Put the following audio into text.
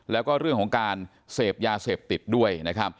แล้วก็เรื่องของการเสพยาเสพติดด้วยนะครับ